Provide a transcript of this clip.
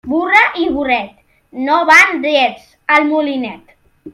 Burra i burret no van drets al molinet.